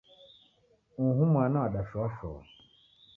Uhu mwana wadashoashoa